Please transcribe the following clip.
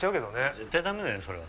絶対ダメだよそれは。